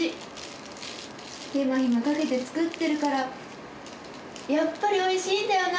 手間暇かけて作ってるからやっぱりおいしいんだよな。